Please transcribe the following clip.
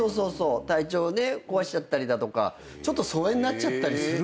体調壊しちゃったりだとか疎遠になっちゃったりするから。